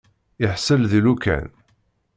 Iḥṣel di lukan.